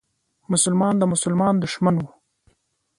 مسلمان د مسلمان دښمن و.